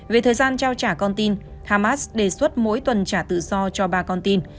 về thời gian trao trả con tin hamas đề xuất mỗi tuần trả tự do cho ba con tin